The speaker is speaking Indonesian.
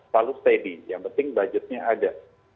selalu steady yang penting budgetnya ada